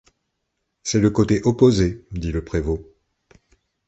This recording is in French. C’est le côté opposé, dit le prévôt.